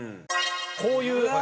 こういう。